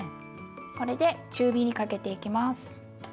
これで中火にかけていきます。